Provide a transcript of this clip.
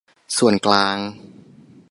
ส่วนกลาง